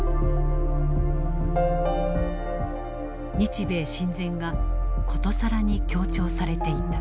日米親善がことさらに強調されていた。